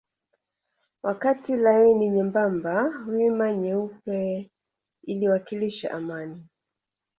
Wakati laini nyembamba wima nyeupe iliwakilisha amani